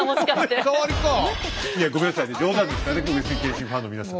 いやごめんなさいね冗談ですからね上杉謙信ファンの皆さん。